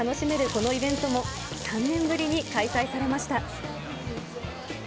このイベントも、３年ぶりに開催されました。